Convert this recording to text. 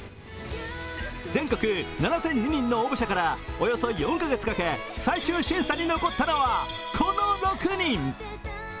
全国７００２人の応募者からおよそ４か月かけ最終審査に残ったのはこの６人。